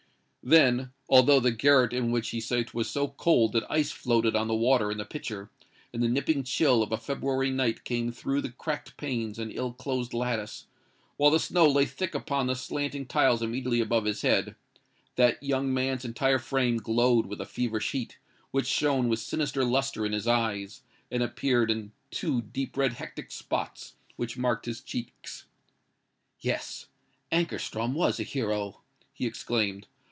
Then,—although the garret in which he sate was so cold that ice floated on the water in the pitcher, and the nipping chill of a February night came through the cracked panes and ill closed lattice, while the snow lay thick upon the slanting tiles immediately above his head,—that young man's entire frame glowed with a feverish heat, which shone with sinister lustre in his eyes, and appeared in the two deep red hectic spots which marked his cheeks. "Yes—Ankarstrom was a hero!" he exclaimed.